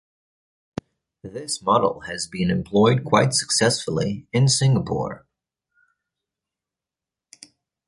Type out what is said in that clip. This model has been employed quite successfully in Singapore.